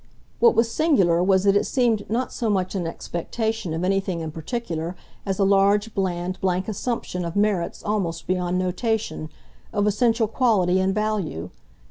What was singular was that it seemed not so much an expectation of anything in particular as a large, bland, blank assumption of merits almost beyond notation, of essential quality and value.